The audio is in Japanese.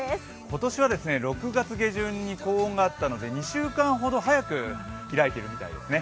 今年は６月下旬に高温があったので２週間ほど早く開いているみたいです。